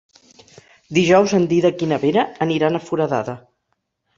Dijous en Dídac i na Vera aniran a Foradada.